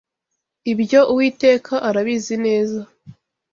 ibyo Uwiteka arabizi neza